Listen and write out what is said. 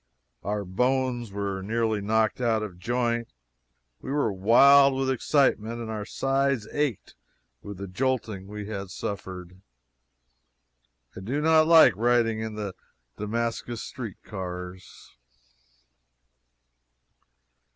Our bones were nearly knocked out of joint, we were wild with excitement, and our sides ached with the jolting we had suffered. I do not like riding in the Damascus street cars.